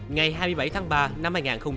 ngày hai mươi bảy tháng ba năm hai nghìn hai mươi